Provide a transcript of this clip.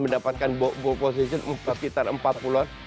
mendapatkan ball position sekitar empat puluh an